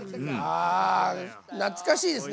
あ懐かしいですね。